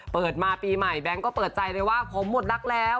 เปิดมาปีใหม่แบงค์ก็เปิดใจเลยว่าผมหมดรักแล้ว